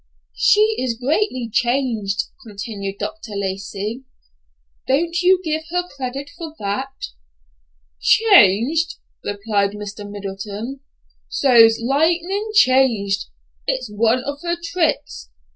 "She is greatly changed," continued Dr. Lacey. "Don't you give her credit for that?" "Changed?" replied Mr. Middleton. "So's lightnin' changed! It's one of her tricks.